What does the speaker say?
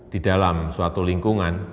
di dalam suatu lingkungan